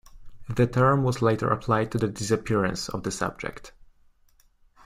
The term was later applied to the disappearance of the subject.